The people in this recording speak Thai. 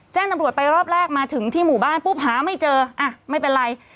แจ้งตำรวจไปรอบแรกมาถึงที่หมู่บ้านปุ๊บหาไม่เจออ่ะไม่เป็นไร